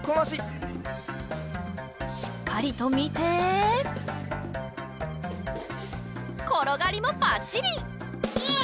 しっかりとみてころがりもばっちり！